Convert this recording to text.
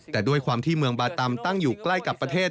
แต่ด้วยความที่เมืองบาตำตั้งอยู่ใกล้กับประเทศ